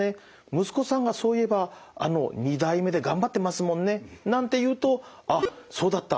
息子さんがそういえば２代目で頑張ってますもんね」なんて言うとあっそうだった。